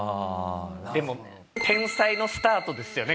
でも天才のスタートですよね